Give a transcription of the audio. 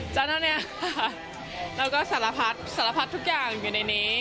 เจ้าเท่านี้ค่ะแล้วก็สารพัดสารพัดทุกอย่างอยู่ในนี้